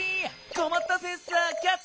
こまったセンサーキャッチ！